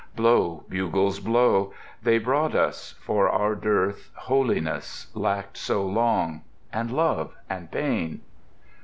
Blow, bugles, blow! They brought us, for our dearth Holiness, lacked so long, and Love, and Pain.